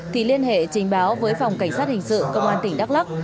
thì liên hệ trình báo với phòng cảnh sát hình sự công an tỉnh đắk lắc